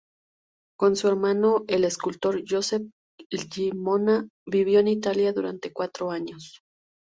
Con su hermano el escultor Josep Llimona, vivió en Italia durante cuatro años.